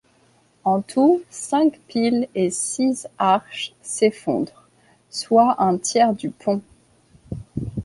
En tout, cinq piles et six arches s'effondrent, soit un tiers du pont.